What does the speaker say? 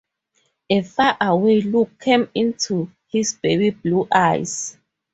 A far-away look came into his baby-blue eyes.